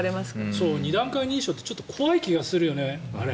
２段階認証ってちょっと怖い感じがするよね。